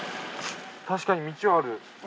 確かに道はある。